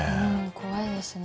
怖いですね。